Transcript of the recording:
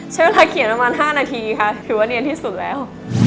ใช้เวลาเขียนประมาณ๕นาทีค่ะถือว่าเนียนที่สุดแล้ว